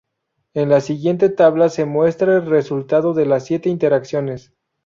En la siguiente tabla se muestra el resultado de las siete iteraciones.